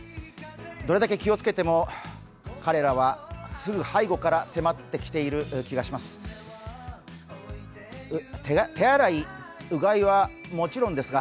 どれだけ気をつけても彼らはすぐ背後から迫ってきている気がします。